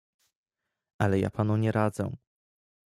"Ale ja panu nie radzę."